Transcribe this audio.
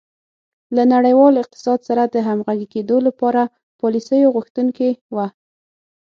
له نړیوال اقتصاد سره د همغږي کېدو لپاره پالیسیو غوښتونکې وه.